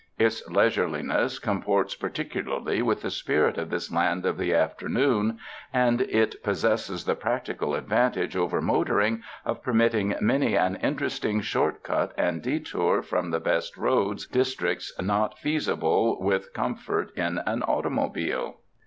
Its leisureliness comports particularly with the spirit of this land of the afternoon, and it pos sesses the practical advantage over motoring of per mitting many an interesting short cut and detour from the best roads districts, not feasible with com fort in an automobile.